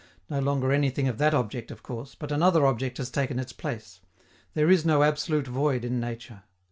No longer anything of that object, of course, but another object has taken its place: there is no absolute void in nature.